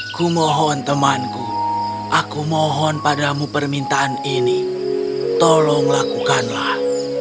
aku mohon temanku aku mohon padamu permintaan ini tolong lakukanlah